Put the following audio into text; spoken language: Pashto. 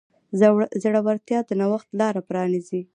زړورتیا د نوښت لاره پرانیزي.